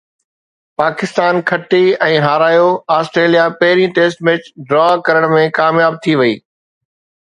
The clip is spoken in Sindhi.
پاڪستان کٽي ۽ هارايو، آسٽريليا پهرين ٽيسٽ ميچ ڊرا ڪرڻ ۾ ڪامياب ٿي وئي